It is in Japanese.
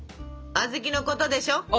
あずきのことでしょ？